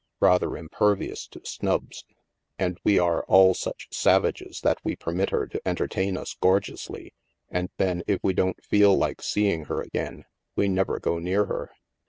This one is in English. Rather impervious to snubs. And we are all such savages that we permit her to entertain us gorgeously, and then, if we don't feel like seeing her again, we never go near her.